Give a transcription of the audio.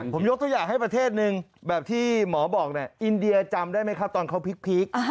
ผมยกตัวอย่างให้ประเทศนึงแบบที่หมอบอกเนี่ยอินเดียจำได้ไหมครับตอนเขาพลิก